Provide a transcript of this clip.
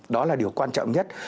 đó là điều quan trọng nhất